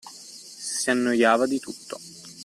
Si annoiava di tutto;